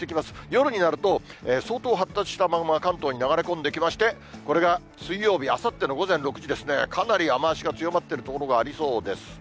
夜になると、相当、発達した雨雲が関東に流れ込んできまして、これが水曜日、あさっての午前６時ですね、かなり雨足が強まってる所がありそうです。